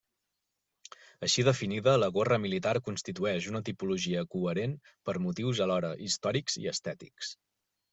Així definida, la gorra militar constitueix una tipologia coherent, per motius alhora històrics i estètics.